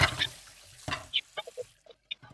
色木槭是无患子科槭属的植物。